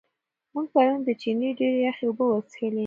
موږ پرون د چینې ډېرې یخې اوبه وڅښلې.